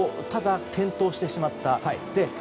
ただ転倒してしまった。